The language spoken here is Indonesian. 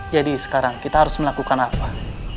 sekarang kita harus melakukan apa